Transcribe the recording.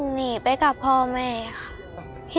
หนีไปกับพ่อแม่ค่ะ